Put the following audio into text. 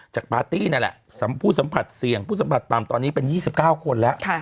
ปาร์ตี้นั่นแหละผู้สัมผัสเสี่ยงผู้สัมผัสต่ำตอนนี้เป็น๒๙คนแล้ว